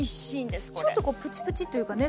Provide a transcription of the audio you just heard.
ちょっとプチプチっていうかね